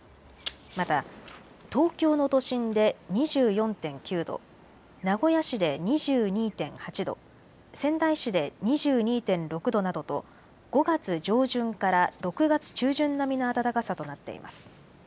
また東京の都心で２４．９度、名古屋市で２２．８度、仙台市で２２．６度などと５月上旬から６月中旬並みの暖かさとなっています。